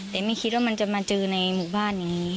แต่ไม่คิดว่ามันจะมาเจอในหมู่บ้านอย่างนี้